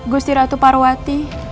gusti ratu parwati